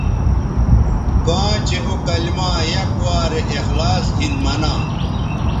کاں چہء او کلما یک وارے اخلاص گھن منا